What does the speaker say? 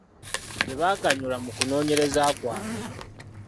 Tebaaganyulwa mu kunoonyereza kwabwe.